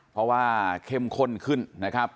เพราะว่าเข้มข้นขึ้นนะครับ